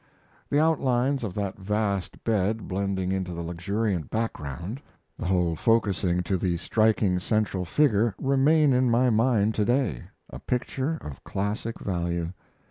The outlines of that vast bed blending into the luxuriant background, the whole focusing to the striking central figure, remain in my mind to day a picture of classic value.